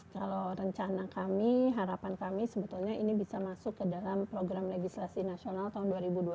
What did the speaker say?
kalau rencana kami harapan kami sebetulnya ini bisa masuk ke dalam program legislasi nasional tahun dua ribu dua puluh